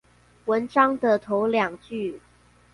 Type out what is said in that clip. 文章的頭兩句